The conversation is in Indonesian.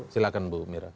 silahkan bu mira